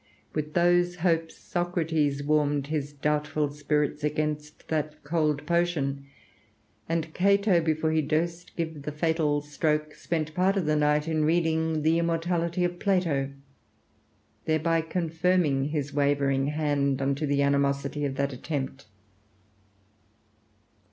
With those hopes Socrates warmed his doubtful spirits against that cold potion; and Cato, before he durst give the fatal stroke, spent part of the night in reading the immortality of Plato, thereby confirming his wavering hand unto the animosity of that attempt.